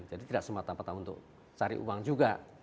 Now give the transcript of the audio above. jadi tidak semata mata untuk cari uang juga